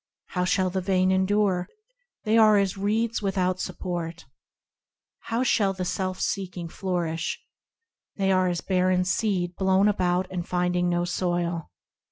How shall the vain endure ? They are as reeds without support. How shall the self seeking flourish ? They are as barren seed blown about and finding no soil.